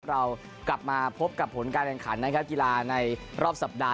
เรากลับมาพบกับผลการแข่งขันนะครับกีฬาในรอบสัปดาห